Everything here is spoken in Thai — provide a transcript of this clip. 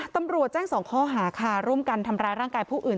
ตำรวจแจ้ง๒ข้อหาค่ะร่วมกันทำร้ายร่างกายผู้อื่น